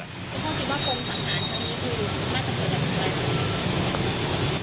คุณคงคิดว่าโครงสังหารคนนี้คือน่าจะเกิดจากการอะไร